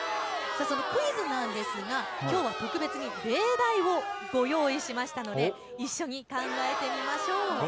そのクイズなんですが、きょうは特別に例題をご用意しましたので一緒に考えてみましょう。